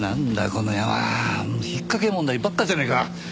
この山ひっかけ問題ばっかじゃねえか。